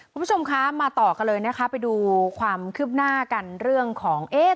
คุณผู้ชมคะมาต่อกันเลยนะคะไปดูความคืบหน้ากันเรื่องของเอ๊ะ